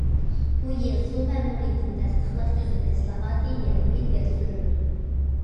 بۇ يىل سۇ مەمۇرىيىتىنى تەستىقلاش تۈزۈمى ئىسلاھاتى يەنىمۇ ئىلگىرى سۈرۈلىدۇ.